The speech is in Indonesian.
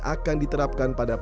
akan diterapkan pada umum